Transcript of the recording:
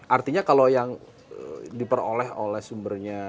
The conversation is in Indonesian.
artinya kalau yang diperoleh oleh sumbernya